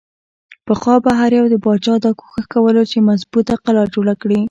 پخوا به هر يو باچا دا کوښښ کولو چې مضبوطه قلا جوړه کړي۔